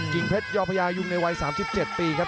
เพชรยอพญายุงในวัย๓๗ปีครับ